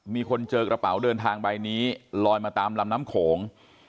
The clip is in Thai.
มีคนเจอกระเป๋าเดินทางใบนี้ลอยมาตามลำน้ำโขง